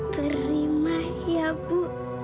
terima ya bu